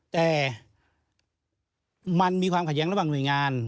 แต่มันมีความขัดแย้งระหว่างหน่วยงาน